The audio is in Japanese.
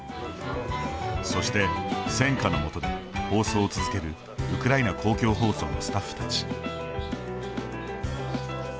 そして戦火の下で放送を続けるウクライナ公共放送のスタッフたち。